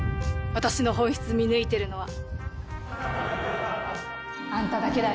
私の本質見抜いてるのは。